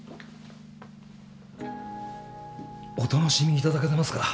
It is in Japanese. お楽しみいただけてますか？